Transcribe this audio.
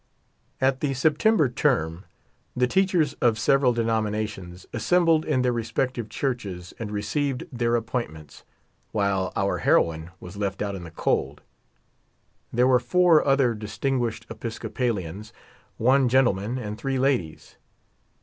At the September term the teachers of several denom inations assembled in their respective churches and re ceived their appointments, while our heroine was left out in the cold. There were four other distinguished Episco palians, one gentleman and three ladies.